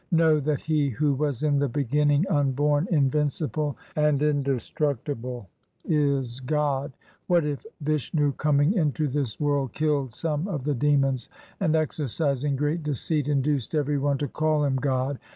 Know that He who was in the beginning, unborn, in vincible, and indestructible is God. What if Vishnu coming into this world killed some of the demons, And exercising great deceit induced every one to call him God